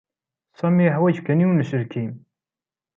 Sami yeḥwaj kan yiwen n uselkim.